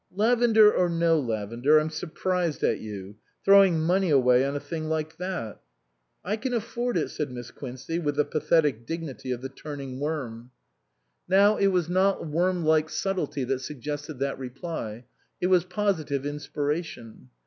"Lavender or no lavender, I'm surprised at you throwing money away on a thing like that." " I can afford it," said Miss Quincey with the pathetic dignity of the turning worm. 260 SPRING FASHIONS Now it was not worm like subtlety that suggested that reply. It was positive inspira tion.